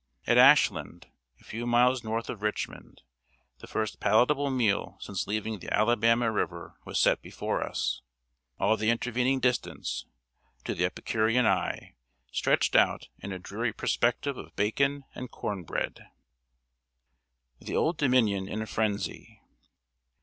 At Ashland, a few miles north of Richmond, the first palatable meal since leaving the Alabama River was set before us. All the intervening distance, to the epicurean eye, stretched out in a dreary perspective of bacon and corn bread. [Sidenote: THE OLD DOMINION IN A FRENZY.